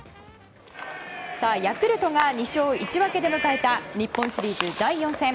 ヤクルトが２勝１分けで迎えた日本シリーズ第４戦。